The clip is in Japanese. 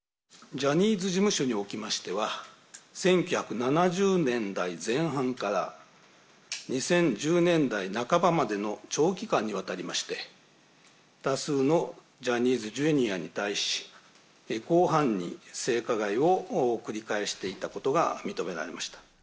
ジャニーズ事務所におきましては、１９７０年代前半から２０１０年代半ばまでの長期間にわたりまして、多数のジャニーズＪｒ．に対し、広範に性加害を繰り返していたことが認められました。